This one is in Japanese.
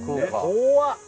怖っ。